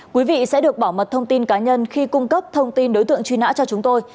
quý vị sẽ được bảo mật thông tin cá nhân khi cung cấp thông tin đối tượng truy nã cho chúng tôi